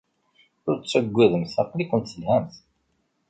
Ur ttaggademt, aql-ikent telhamt.